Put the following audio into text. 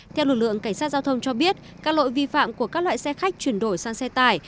theo lực lượng cảnh sát giao thông cho biết các lỗi vi phạm của các loại xe khách chuyển đổi sang xe tải